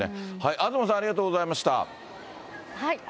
東さん、ありがとうございました。